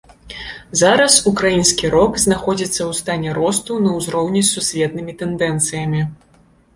Зараз ўкраінскі рок знаходзіцца ў стане росту на ўзроўні з сусветнымі тэндэнцыямі.